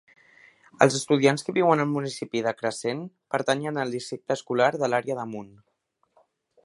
Els estudiants que viuen al municipi de Crescent pertanyen al districte escolar de l'àrea de Moon.